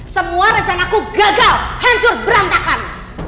semua rencana ku gagal hancur berantakan